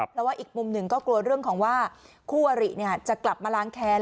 เพราะว่าอีกมุมหนึ่งก็กลัวเรื่องของว่าคู่อริจะกลับมาล้างแค้น